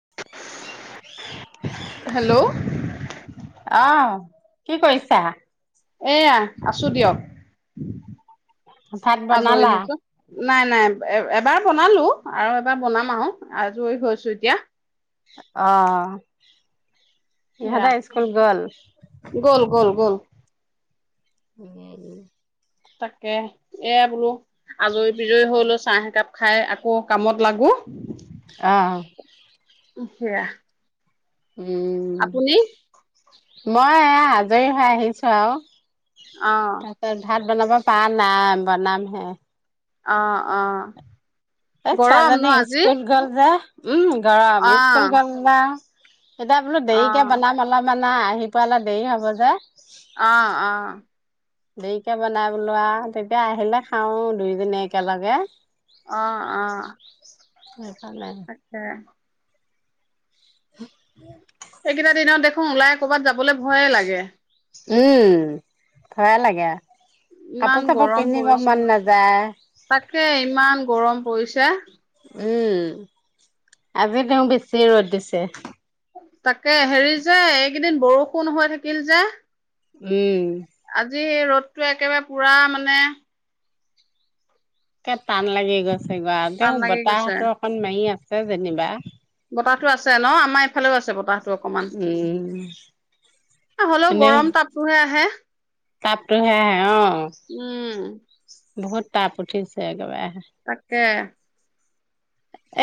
[unintelligible] Hello! অ' কি কইছা এয়া আছু দিয়ক, ভাত আজৰি বনালা [unintelligible] নাই নাই এ এবাৰ বনালোঁ আৰু এবাৰ বনাম আও আজৰি হৈছোঁ এতিয়া। অহ' এয়াহ গ'ল গ'ল গ'ল ভিনি আহিলি। তাকে এয়া বুলু আজই পিজই হৈ লৈ চাহ একাপ খাই আকৌ কামত লাগু অহ' [unintelligible] উম। আপুনি মই এয়া আজৰি হৈ আহিছোঁ আও। অ [unintelligible] বনাব পা নাই বনাম হে। অ' অ' গৰম ন ছোৱালীজনী আজি ইস্কুল গল যে। ওম গৰম অ ইস্কুল গল গে, এতিয়া বুলু অ দেৰিকে বনাম অলপ। নাই। আহি পোৱালে দেৰি হব যে অ অ দেৰিকে বনাই বোলোৱা তেতিয়া আহিলে খাও দুইজনী একেলগে, অ আহ, উ, আতছা, উ এইকেইটা দিনত দেখো ওলাই কৰ'বাত যাবলৈ ভয়ে লাগে উম ভয় লাগে। কাপোৰ ইমান চাপোৰ গৰম পিন্ধিব পৰিছে মন নাযায় তাকে ইমান গৰম হৈছে, উম আজি তেওঁ বেছি ৰ'দ দিছে। তাকে হেৰি যে এইকেইদিন বৰষুণ হৈয় থাকিল যে উম! আজি জি ৰ'দটোৱে একেবাৰে পুৰা মানে কে টান লাগি গৈ [unintelligible] টান তেওঁ লাগি গৈছে বতাহতো অকণ মাৰি আছ যেনিবা বতাহটো আছে ন? আম আমাৰ এইফালেও আছে বতাঁহ উম। হ'লেও এনে গৰম তাপটোহে আহে। তাপটোহে আহে, অ'। উম। বহুত তাপ উঠিছে একেবাৰে। তাকে।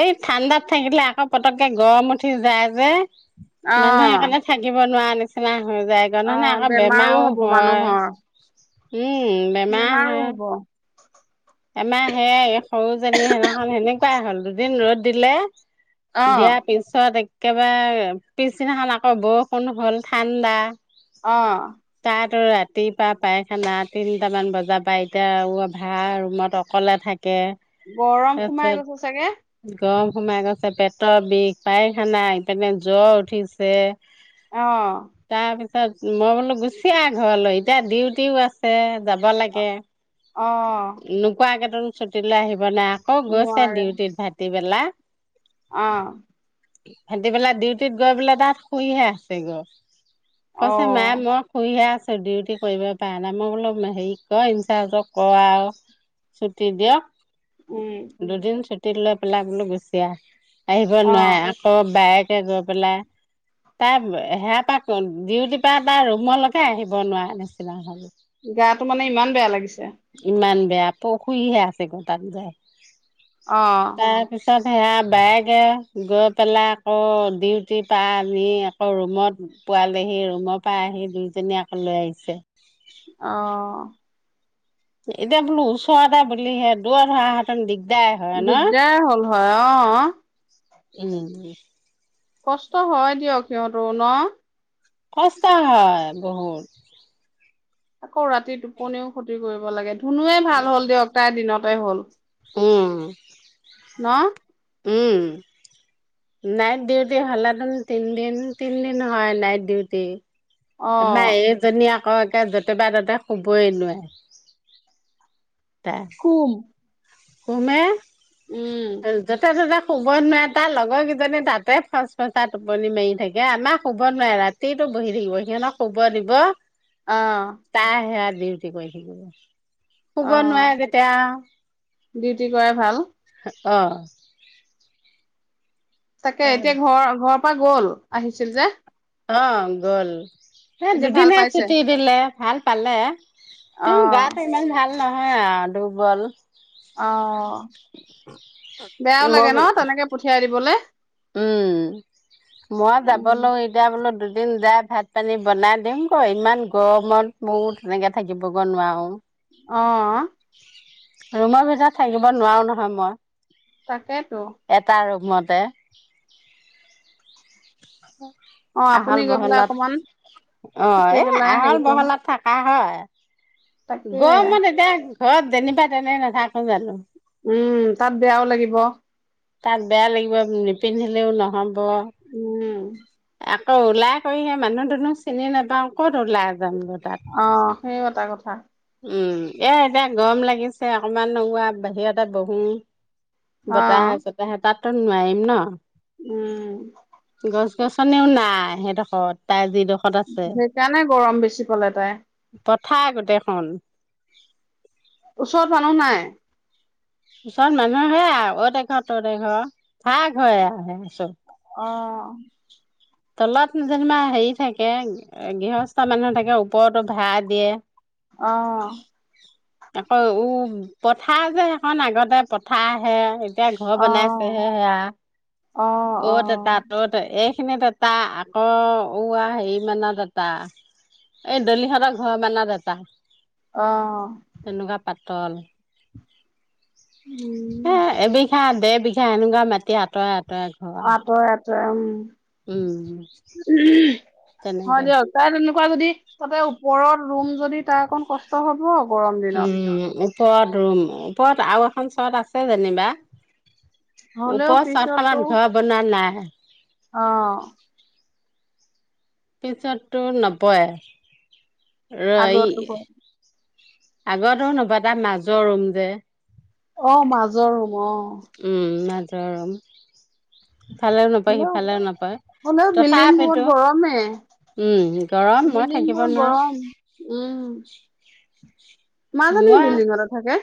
এই ঠাণ্ডাত থাকিলে আকৌ পতকে গৰম উঠি যায় যে। অ মানুহে সেইকাৰণে থাকিব নোৱায়ে অ নিচিনা [unintelligible] আকৌ বেমাৰো হ'ব হয় মানুহৰ উম বেমাৰ বেমাৰো হয় হব। আমাৰ হেয়াই, এই সৰু জনীৰ সেইদিনাখন এনেকুৱাই হল। এদিন ৰদ দিলে। অ দিয়া পিছত এক একেবাৰে পিছদিনাখন আকৌ বৰষুণ হল, ঠাণ্ডা। অ '। তো ৰাতিৰপা পায়খানা, তিনিটা মান বজাপা এতিয়া আৰু [unintelligible] মইতো অকলে থাকি গৰম সোমাই গৈছে চাগে। গৰম সোমাই গৈছে, পেটৰ বিষ, পাইখানা, এইপিনে জ্বৰ উঠিছে। অ '। [unintelligible] মই বোলো গুচি আহা ঘৰলৈ, এতিয়া ডিউটিও আছে যাব লগে। অ '। নোকোৱা কেইটোন ছুটীলৈ আহিব নাই আ অ' গৈছে নোৱাৰে ডিউটিত ভাতি পেল লা। অ'। সিতি পেলাই ডিউটিত গৈ পেলাই তাত শুইহে আছে গৈ। অ কৈছে মা মই শুইহে আছো। ডিউটি কৰিবই পৰা নাই, মই বোলো মে হেৰিক ক' ইনচাৰ্জক ক আৰু। চুটি দিয়ক। উম দুদিন [unintelligible] পেলাই গুচি আহ। আহিব অ নোৱাৰে আকৌ বাইক। গৈ পেলাই তাৰ সেয়া পৰা ডিউটিৰ পৰা তাৰ ৰুমলৈকে আহিব নোৱাৰা নিচিনা হল। গাটো মানে ইমান বেয়া লাগিছে। [unintelligible] তাৰ পিছত অ সেয়া বেগ। গৈ পেলাই আকৌ ডিউটিৰ পৰা আনি আকৌ ৰুমত পোৱালেহি ৰুমৰ পৰা আহি দুয়োজনী আকৌ লৈ আহিছে। অ'। এতিয়া বুলো ওচৰতে বুলি সেয়া দূৰত হোৱা হতেন দিগদাৰ। হয় ন? দিগদাৰ হ'ল হয় অ'। উম। কষ্ট হয় দিয়ক সিহঁতৰো ন সস্তা হয় বহুত। আকৌ ৰাতি টোপনিও ক্ষতি কৰিব লাগে। শুনোৱে ভাল হ'ল দিয়ক তাই দিনত। তাই হ'ল। উম। ন উম নাইট ডিউটি হলে তিনদিন তিনদিন হয় নাইট ডিউটি। অ আমাৰ এইজনীয়ে। অ' য'তে বা ততে শুবই নোৱাৰে। শুম। শুম। যতে ততে। শুবই নোৱাৰে তাৰ লগৰ কেইজনী তাতে ফচ ফচাই টোপনি মাৰি থাকে আমাক শুব নোৱাৰে ৰাতিতটো বহি থাকিব। সিহতক শুৱ দিব। অ'। তাই সেয়া ডিউটি কৰি থাকিব। শুব নোৱাৰে অ' যেতিয়া ডিউটি কৰাই ভাল। অ'। তাকে তাৰ এতিয়া ঘৰ ঘৰ, পৰা গ'ল আহিছিল যে। অ গ'ল। এ এতিয়া ভাল দুদিহে পাইছে ছুটি দিলে ভাল পালে অ তেওঁ গাত ইমান ভাল। নহয় আও দুৰ্বল। অ', বেয়াও মই লাগে ন বোলো তেনেকে পঠিয়াই দিবলে? উম, মই উ যাবলৈ এতিয়া বোলো দু যাই ভাত পানী বনাই দিমগৈ, ইমান গৰমত ময়ো তেনেকে থাকিবগৈ নোৱাৰো। অ'। ৰুমৰ ভিতৰত থাকিব নোৱাৰো নহয় মই। তাকেইতো। মতে [unintelligible] অ আহল আপুনি গৈ পেলাই বহলত, অকমান অ', থাকি এ, পেলাই আহল হেৰি কৰিম বহলত থাকা হয়। [unintelligible] তাকে গৰমত এতিয়া ঘৰত যেনিবা তেনে নাথাকো জানো উম, তাত বেয়াও লাগিব। তাত বেয়া লাগিব, নিপিন্ধিলেও নহ'ম। ব, উম, এক অ', ওলাই কৰিহে মানুহ-দুনুহ চিনি নাপাও, ক'ত ওলাই যামগৈ তাত অ', সেয়ো এটা কথা। উম, এ এতিয়া গৰম লাগিছে অকমান ওৱা বাহিৰতে বহোঁ। অ বতা আহে, চতা আহে তাত। তাত নোৱাৰিম ন? উম। গছ গছনিও নাই সেইদখৰত তাই যিদখ সেইকাৰণে গৰম বেছি পালে তাই। পথাৰ গোট তেখন। চত মানুহ নাই? ওচৰত মানুহ হেয়া আও, অত এঘৰ তত এঘৰ, ভাগ হয় আৰু সেচব। অ'। তলত যেনিবা হেৰি থাকে এ গৃহস্থ মানুহ থাকে। ওপৰতো ভাৰা দিয়ে। অহ। আকৌ উ পথাৰ যে সেইখন, আগতে পথাৰ আহে এতিয়া ঘৰ অ বনাইছে হে সেয়া, অ অ অত এটা, তত এ সেনে তাত এটা আকৌ উৱা হেৰি মানত এটা এই দলিহঁতৰ ঘৰ মানত এটা অহ তল উম এ, এবিঘা দেবিঘা কে এনেকুৱা মাটি আঁতৰাত তায় ঘোৱা [unintelligible] উম হু তেনেকে, শোৱা যদি চবে উপৰৰ ৰুম যদি তাৰ অকন কষ্ট হব গৰম দিনত উম। উপৰত ৰুম উপৰত আৰু এখন চাদ আছে জেনিবা হলেও উপৰদ চাট পিছতো খনত উথাবপাৰে নাই [inaudible] অ' পিছতু নপয়ে, ৰৈই আগতো আগৰতু নেপায় তাৰ মাজৰ ৰুম যে অ' মাজৰ, অ উমনা তৰম ইফালে ও নাপায় হ'লেও সিফালে ও হ'লেও বিল্ডিং বোৰত তথাপিটো গৰমে উম গৰম মই বিল্ডিং থাকিব বোৰ নোৱাৰো [inaudible] গৰম উম মাজনী মই বিল্ডিঙতে থাকে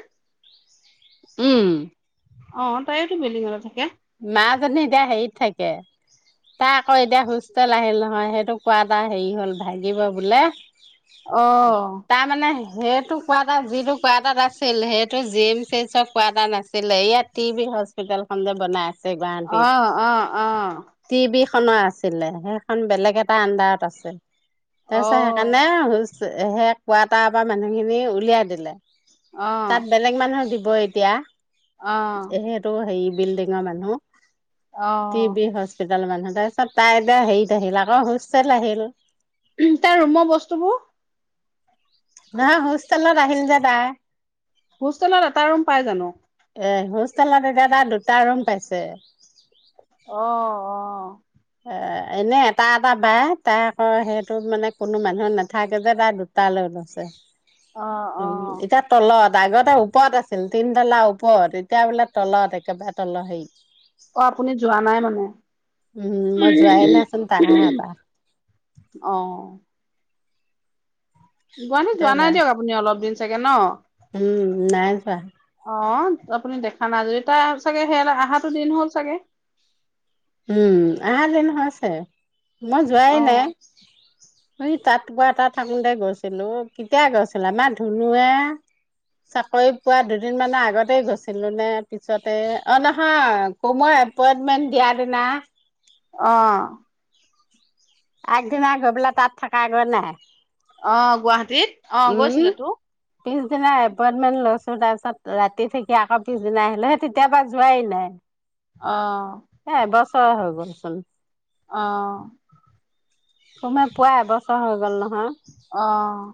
উম অ', তাইওতো বিল্ডিঙ ঘৰত থাকে। মাজনী এতিয়া হেৰিত থাকে তাই আকৌ এতিয়া হুষ্টেল আহিল নহয় সেইটো কোৱা পৰা হেৰি হ'ল ভাগিব বোলে। অ তাৰ মানে, সেইটো কোৱাটাৰ যিটো কোৱাটাত আছিল সেইটো জি এম চি এইচৰ কোৱাটাৰ নাছিলে ইয়াত টি বি হস্পিতটেল খন যে বনাই আছে গুৱাহাটীত অহ, অহ, অহ। সেখন আছিলে সেইখন বেলেগ এটা আণ্ডাৰত আছে। অ তাপিছত সেইকাৰণে এ হ'ল সে কোৱাটাৰ পৰা মানুহখিনি উলিয়াই দিলে। অ তাত বেলেগ মানুহৰ বি ব এতিয়া অ এইটো হেৰি [unintelligible] অ [unintelligible] টি বি হস্পি [unintelligible] মানুহ তাৰ পিছত তাই এতিয়া হেৰিত আহিল, আকৌ হোষ্টেল আহিল। তাৰ ৰুমৰ বস্তুবোৰ? নাই, হোষ্টেলত যে, আহিল তাই। হোষ্টেলত এটা ৰুম পাই জানো? এ, হোষ্টেলত এতিয়া তাই দুটা ৰুম পাইছে। অ অ এ এনে এটা, এটা পায়, তাই আকৌ সেইটো মানে কোনো মানুহ নাথাকে যে, তাই দুটা লৈ লৈছে। অ অ উম, এতিয়া তলত আগতে ওপৰত আছিল, তিনতালা ওপৰত এতিয়া বোলে তলত একেবাৰে তলৰ হেয়িত অ', আপুনি যোৱা নাই মানে? উম, মই যোৱা নাইচোন তাই আহা পৰা। অ গুৱাহাটীত এতিয়া যোৱা যা নাই দিয়ক আপুনি অলপ দিন চাগে ন? উম নাই যোৱা। অ', আপুনি দেখা যদি তাই আহাটো চাগে সেয়া অহাটো দিন হ'ল চাগে। উম, আহা দিন হৈছে। মই যোৱাই অ নাই। সি তাত বা তাত থাকোঁতে গৈছিলোঁ, কেতিয়া গৈছিলা, আমাৰ ধুনুুৱে চাকৰি পোৱা দুদিন মানৰ আগতে গৈছিলোঁ নে পিছতে অ' নহয় আকৌ মই এপইন্টমেন্ট দিয়া [unintelligible] অ'। আগদিন গৈ পেলাই তাত থাকা গৈ নাই। অ' গুৱাহাটী। অ' উম গৈছিলোঁ তো। পিছদিনা এপইন্টমেন্ট লৈছোঁ তাৰ পিছত ৰাতি থাকি আকৌ পিছদিনা আহিলোঁ, সে, তেতিয়া পৰা যোৱাই নাই। অ'। ৰ হৈ গ'ল চোন। অ'। তোমাৰ পোৱা এবছৰ হৈ গ'ল ন? অ'।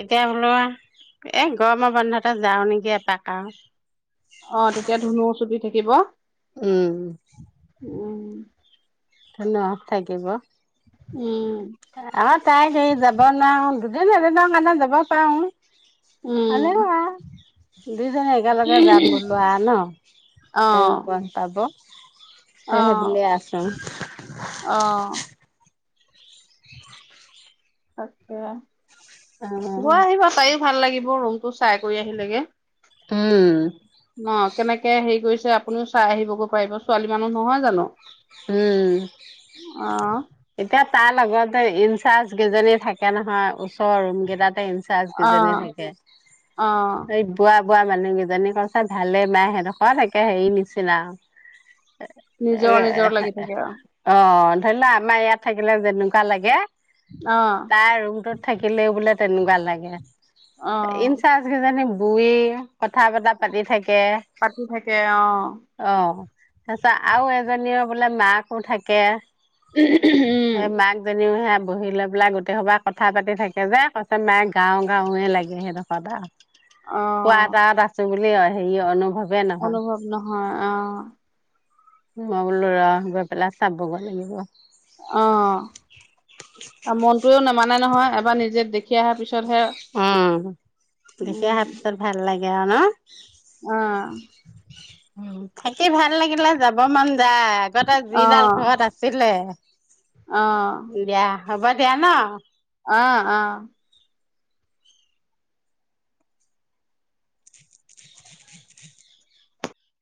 এতিয়া বোলো এ গৰমৰ বন্ধতে যাওঁ নেকি এপাক আৰু। অ', তেতিয়া ধুনু ছুটি থাকিব। উম উম। ধুনু অ' থাকিব। উম আমাৰ তাই হে যাব নোৱাৰে আও। দুই এদিনৰ কাৰণে যাব পাওঁ। উম হলেও আও, দুইজনী একেলগে যাম বোলো ন, অ তাইও বন্ধ পাব। [inaudible] অ এই সেইবুলিয়েই আছোঁ। অ'। তাকে। অ গৈ উম আহিব, তাইও ভাল লাগি মোৰ ৰুমটো চাই কৰি আহিলে গে। উম। অ', কেনেকে হেৰি কৰিছে আপুনিও চাই আহিবগৈ পাৰিব, ছোৱালী মানুহ নহয় জানোঁ? উম, এতিয়া তাৰ লগতে ইনচাৰ্জ কেইজনী থাকে নহয়, ওচৰৰ ৰুম কেইটাতে ইন চাচ অ কিজনী থাকে অ এই বোৱা বোৱা মানুহকিজনী কৈছে ভালে পায় [unintelligible] হেৰি নিচিনা আৰু নিজৰ, নিজৰ লাগি [unintelligible] অ', ধৰি লোৱা আমাৰ ইয়াত থাকিলে যেনেকুৱা লাগে অ তাৰ ৰুমটোত থাকিলেয়ো বোলে তেনেকুৱা লাগে। অ ইনচাৰ্জ কিজনি [unintelligible] কথা বতৰা পাতি থাক হে পাতি থাকে অ অহ, তাৰ পিছত আৰু এজনীয় পে বোলে মাকো থাকে। উম সেই মাক জনিও বহি লৈ পেলাই গোটেই সোপাই কথা পাতি থাকে যে, কৈছে নাই গাঁও গাঁওৱে লাগে সেইডখৰ বা অ' কোৱাটাত আছো বুলি কিয় হেৰীয় অনুভৱ অনুভৱ নহয় অহ। উ [unintelligible] বোলো ৰ' গৈ পেলাই চাবগৈ লাগিব। নাই নহয় এবাৰ নিজে দেখি অহাৰ পিছতহে উম, দেখি অহাৰ পিছত ভাল লাগে। না [unintelligible] অহ। থাকি ভাল লাগিলে যাব মন যাই আগতে যিডাল ঘৰত আছিলে আহ। দিয়া হ'ব দিয়া‌ ন। অ, আহ।